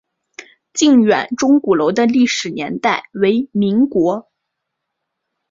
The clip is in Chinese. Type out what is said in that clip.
靖远钟鼓楼的历史年代为民国。